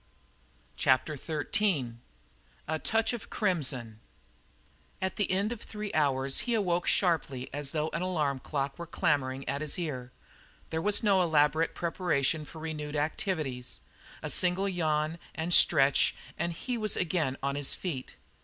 CHAPTER XIII A TOUCH OF CRIMSON At the end of three hours he awoke as sharply as though an alarm were clamouring at his ear. There was no elaborate preparation for renewed activities. A single yawn and stretch and he was again on his feet.